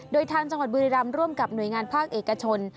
โดยทางจังหวัดบุรีรำร่วมกับหน่วยงานภาคเอกชน